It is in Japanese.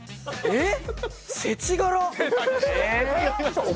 えっ？